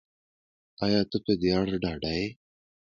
ایا ته په دې اړه ډاډه یې